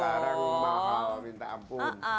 sekarang mahal minta ampun